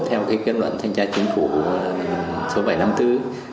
theo kết luận thanh tra chính phủ